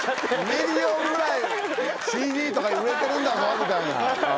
ミリオンぐらい、ＣＤとか売れてるんだぞみたいな。